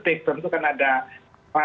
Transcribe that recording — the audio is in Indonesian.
sejumlah peristiwa misalnya kasus moral